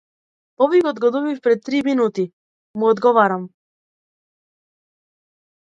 Повикот го добив пред три минути му одговарам.